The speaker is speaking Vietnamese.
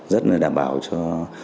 rất đảm bảo cho